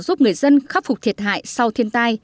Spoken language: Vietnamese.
giúp người dân khắc phục thiệt hại sau thiên tai